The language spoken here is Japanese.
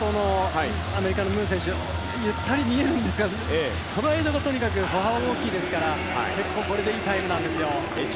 先頭のムー選手、ゆったり見えるんですがストライド、とにかく歩幅が大きいですから結構これでいいタイムなんですよ。